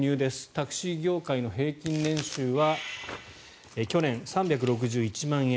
タクシー業界の平均年収は去年、３６１万円。